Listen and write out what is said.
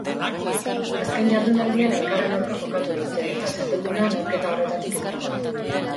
Azken jardunaldian elkarren aurka jokatu dute eta txapelduna neurketa horretatik irtengo da.